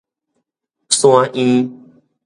山院